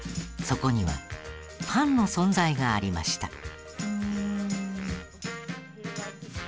そこにはファンの存在がありました。